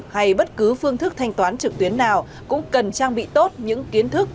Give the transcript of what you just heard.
hay bất cứ phương thức thanh toán trực tuyến nào cũng cần trang bị tốt những kiến thức